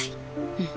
うん。